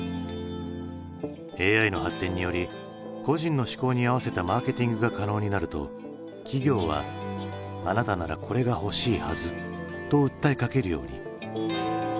ＡＩの発展により個人の嗜好に合わせたマーケティングが可能になると企業は「あなたならこれが欲しいはず」と訴えかけるように。